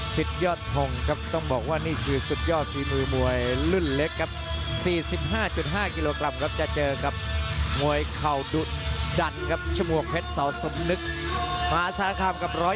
สุดท้ายสุดท้ายสุดท้ายสุดท้ายสุดท้ายสุดท้ายสุดท้าย